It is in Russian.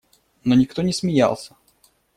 Но никто не смеялся.